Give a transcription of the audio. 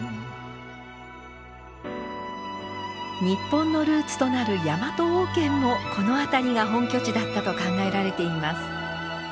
日本のルーツとなるヤマト王権もこの辺りが本拠地だったと考えられています。